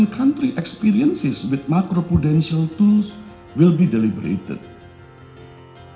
dan pengalaman negara dengan alat makroprudensial akan dilimitkan